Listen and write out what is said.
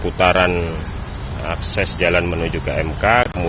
putaran akses jalan menuju ke mk